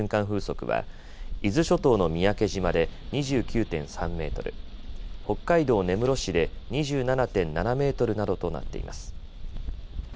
風速は伊豆諸島の三宅島で２９．３メートル、北海道根室市で２７．７メートルなどとなっています。